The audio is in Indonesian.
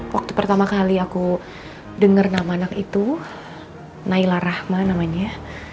waktu pertama kali aku denger nama anak itu naila rahma namanya